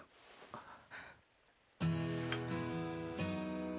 あっ。